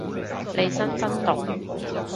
利申真毒